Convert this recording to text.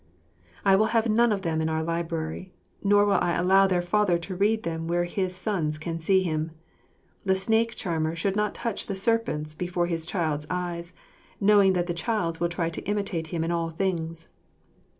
I will have none of them in our library, nor will I allow their father to read them where his sons can see him. The snake charmer should not touch the serpents before his child's eyes, knowing that the child will try to imitate him in all things.